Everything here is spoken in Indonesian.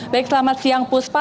baik selamat siang puspa